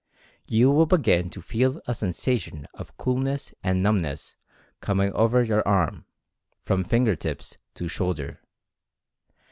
You will begin to feel a sensation of coolness and numb ness coming over your arm, from finger tips to shoul der.